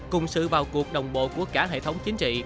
cùng sự vào cuộc đồng bộ của cả hệ thống chính trị